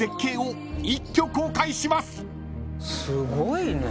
すごいね。